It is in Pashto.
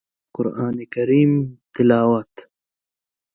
د قران کريم تلاوت